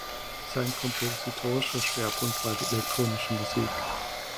Sein kompositorischer Schwerpunkt war die elektronische Musik.